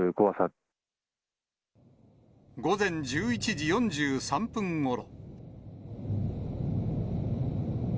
午前１１時４３分ごろ。